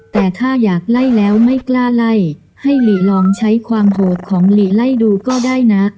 แต่ถ้าอยากไล่แล้วไม่กล้าไล่ให้หลีลองใช้ความโหดของหลีไล่ดูก็ได้นะ